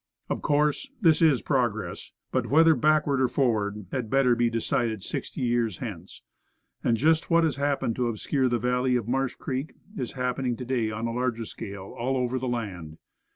Of course, this is progress; but, whether backward or forward, had better be decided sixty years hence. And, just what has happened to the obscure valley of Marsh Creek, is happening to day, on a larger scale, all over the land.